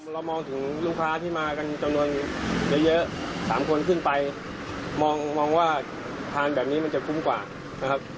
เรามองถึงลูกค้าที่มากันจำนวนเยอะ๓คนขึ้นไปมองว่าทานแบบนี้มันจะคุ้มกว่านะครับ